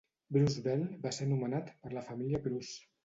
Bruceville va ser nomenat per la família Bruce.